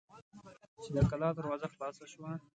چې د کلا دروازه خلاصه شوه.